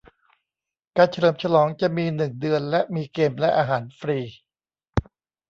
การเฉลิมฉลองจะมีหนึ่งเดือนและมีเกมและอาหารฟรี